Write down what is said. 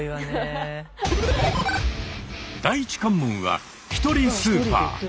第一関門は「ひとりスーパー」！